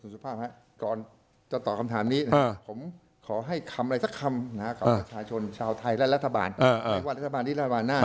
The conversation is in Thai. สุภาพครับก่อนจะตอบคำถามนี้ผมขอให้คำอะไรสักคำกับชาวชนชาวไทยและรัฐบาล